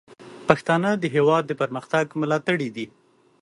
پښتانه د هیواد د پرمختګ ملاتړي دي.